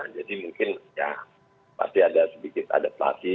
jadi mungkin ya pasti ada sedikit adat lagi